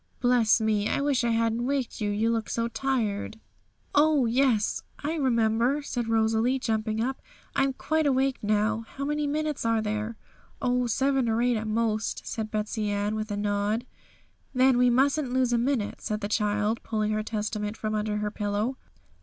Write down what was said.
Bless me! I wish I hadn't waked you, you look so tired!' 'Oh yes, I remember,' said Rosalie, jumping up. I'm quite awake now. How many minutes are there?' 'Oh, seven or eight at most,' said Betsey Ann, with a nod. 'Then we mustn't lose a minute,' said the child, pulling her Testament from under her pillow.